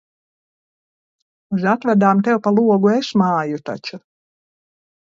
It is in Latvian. Uz atvadām tev pa logu es māju taču.